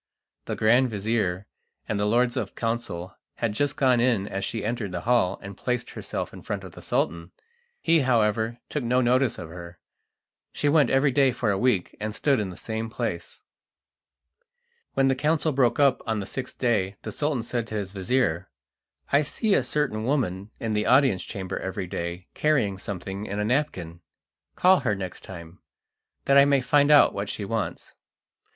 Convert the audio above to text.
The grand vizir and the lords of council had just gone in as she entered the hall and placed herself in front of the Sultan. He, however, took no notice of her. She went every day for a week, and stood in the same place. When the council broke up on the sixth day the Sultan said to his vizir: "I see a certain woman in the audience chamber every day carrying something in a napkin. Call her next time, that I may find out what she wants."